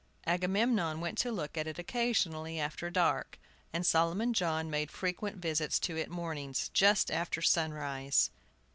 Agamemnon went to look at it occasionally after dark, and Solomon John made frequent visits to it mornings, just after sunrise.